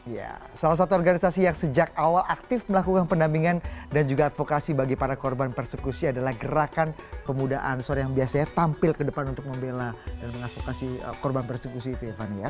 ya salah satu organisasi yang sejak awal aktif melakukan pendampingan dan juga advokasi bagi para korban persekusi adalah gerakan pemuda ansor yang biasanya tampil ke depan untuk membela dan mengadvokasi korban persekusi itu evania